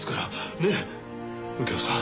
ねえ右京さん。